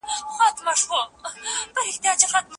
ارتر لیوس وویل چي پرمختیا د تولید د زیاتوالي په معنی ده.